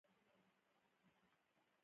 خو بې رحمانه استثمار ته یې کلکه څپېړه ورکړه.